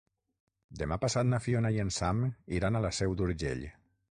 Demà passat na Fiona i en Sam iran a la Seu d'Urgell.